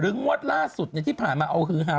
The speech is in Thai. งวดล่าสุดที่ผ่านมาเอาฮือฮา